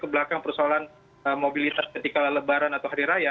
kebelakang persoalan mobilitas ketika lebaran atau hari raya